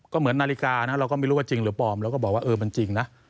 ก็เหมือนนาฬิกานะเราก็ไม่รู้ว่าจริงหรือปลอมเราก็บอกว่าเออมันจริงนะ